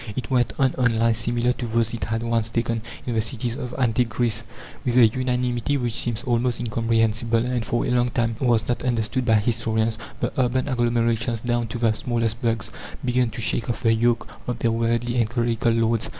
It went on on lines similar to those it had once taken in the cities of antique Greece. With a unanimity which seems almost incomprehensible, and for a long time was not understood by historians, the urban agglomerations, down to the smallest burgs, began to shake off the yoke of their worldly and clerical lords.